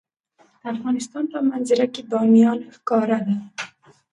د افغانستان په منظره کې بامیان ښکاره ده.